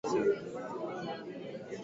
One of his men was called John Gibson.